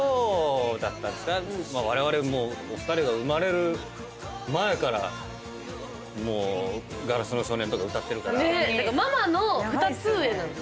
われわれもうお二人が生まれる前から『硝子の少年』とか歌ってるから。